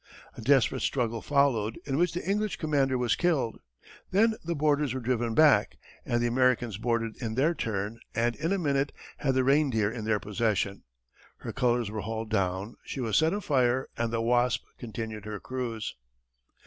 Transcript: A desperate struggle followed, in which the English commander was killed. Then the boarders were driven back, and the Americans boarded in their turn, and in a minute had the Reindeer in their possession. Her colors were hauled down, she was set afire, and the Wasp continued her cruise.